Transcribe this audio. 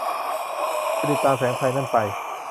ฟิลิปตามแสงไฟนั่นไป